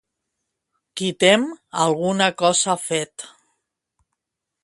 Qui tem, alguna cosa ha fet.